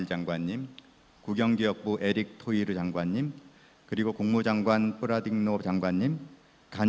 saya ingin mengucapkan pembahasan